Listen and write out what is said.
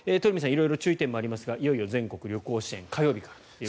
色々注意点もありますがいよいよ全国旅行支援が火曜日からと。